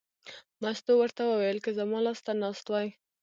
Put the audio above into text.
مستو ورته وویل: که زما لاس ته ناست وای.